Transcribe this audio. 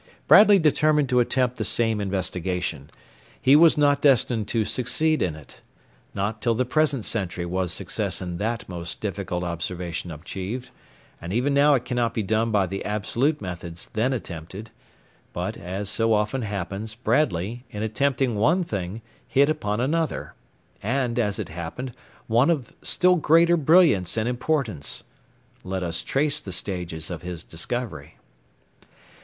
Bradley determined to attempt the same investigation. He was not destined to succeed in it. Not till the present century was success in that most difficult observation achieved; and even now it cannot be done by the absolute methods then attempted; but, as so often happens, Bradley, in attempting one thing, hit upon another, and, as it happened, one of still greater brilliance and importance. Let us trace the stages of his discovery.